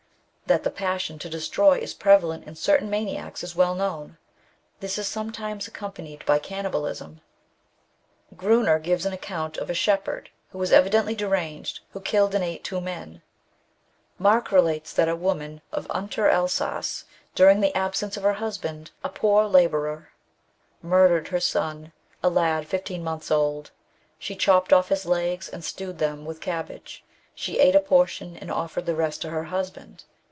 That the passion to destroy is prevalent in certain maniacs is well known ; this is sometimes accompanied by cannibalism. Gruner * gives an account of a shepherd who was * De Anthropophago Bucano. Jen. 1792. / 144 THE BOOK OF WERE WOLVES. evidently deranged, who killed and ate two men. Mare * relates that a woman of Unterelsas, during the absence of her husband, a poor labourer, murdered her son, a lad fifteen months old. She chopped off his legs and stewed them with cabbage. She ate a portion, and offered the rest to her husband.